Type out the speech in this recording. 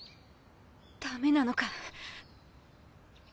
ダメなのか。